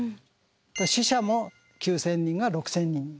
死者も９，０００人が６，０００人。